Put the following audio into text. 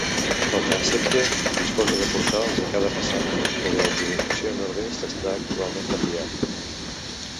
El transsepte disposa de portals a cada façana però el d'orientació nord-est està actualment tapiat.